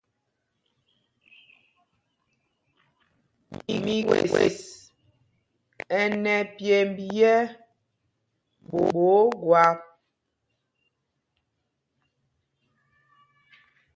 Mikwes ɛ nɛ pyěmb yɛ̄ ɓɛ̌ ógwâp.